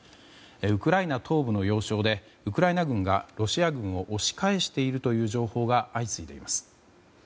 ウクライナ東部の要衝でウクライナ軍がロシア軍を押し返しているという情報が相次いでいます。